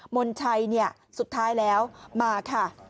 มนชัยสุดท้ายแล้วมาค่ะ